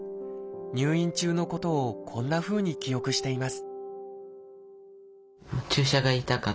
入院中のことをこんなふうに記憶しています